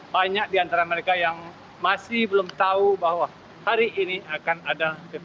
banyak di antara mereka yang masih belum tahu bahwa hari ini akan ada ppkm